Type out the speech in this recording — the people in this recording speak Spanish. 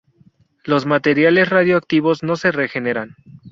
Los materiales radiactivos no se regeneran.